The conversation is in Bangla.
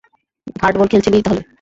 হার্ডবল খেলছিলি তাহলে?